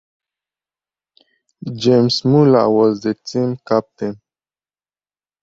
James Mueller was the team captain.